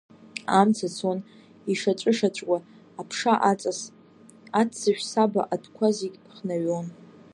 Амца цон, ишаҵәышаҵәуа, аԥша аҵас, аццышә саба адәқәа зегь хнаҩон.